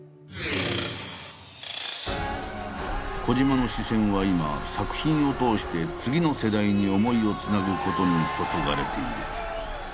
小島の視線は今作品を通して次の世代に思いを繋ぐことに注がれている。